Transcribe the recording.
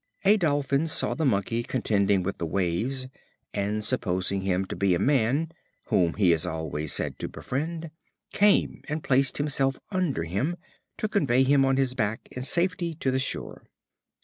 A Dolphin saw the Monkey contending with the waves, and supposing him to be a man (whom he is always said to befriend), came and placed himself under him, to convey him on his back in safety to the shore.